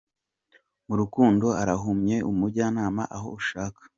Mu rukundo arahumye umujyana aho ushaka.